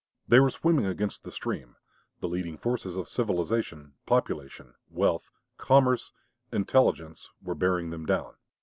They were swimming against the stream. The leading forces of civilization, population, wealth, commerce, intelligence, were bearing them down.